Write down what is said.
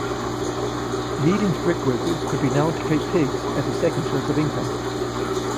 Yeading's brickworkers could be known to keep pigs as a second source of income.